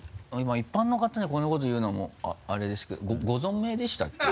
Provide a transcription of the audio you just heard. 一般の方にこんなこというのもあれですけどご存命でしたっけ？